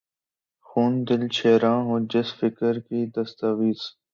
خون دل شیراں ہو، جس فقر کی دستاویز